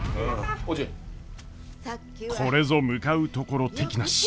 これぞ向かうところ敵なし！